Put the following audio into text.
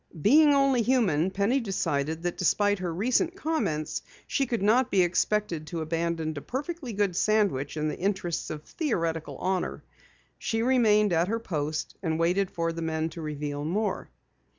Being only human, Penny decided that despite her recent comments, she could not be expected to abandon a perfectly good sandwich in the interests of theoretical honor. She remained at her post and waited for the men to reveal more.